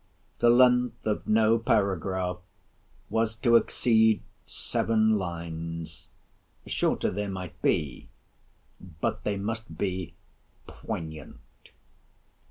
The length of no paragraph was to exceed seven lines. Shorter they might be, but they must be poignant.